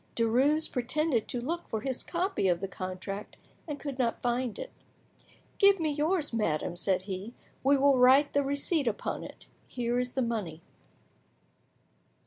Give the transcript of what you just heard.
Derues pretended to look for his copy of the contract, and could not find it. "Give me yours, madame," said he; "we will write the receipt upon it. Here is the money."